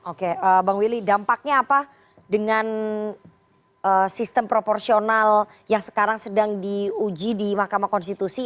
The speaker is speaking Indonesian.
oke bang willy dampaknya apa dengan sistem proporsional yang sekarang sedang diuji di mahkamah konstitusi